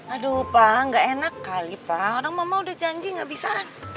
aduh pak nggak enak kali pak orang mama udah janji gak bisa